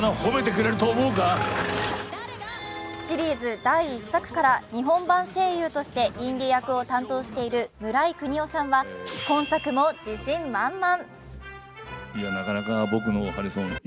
シリーズ第１作から日本版声優としてインディ役を担当している村井國夫さんは今作も自信満々。